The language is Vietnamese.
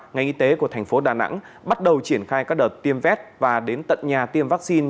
ngành y tế của tp hcm bắt đầu triển khai các đợt tiêm vét và đến tận nhà tiêm vaccine